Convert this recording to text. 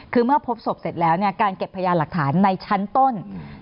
คือเมื่อพบศพเสร็จแล้วการเก็บพยานหลักฐานในชั้นต้น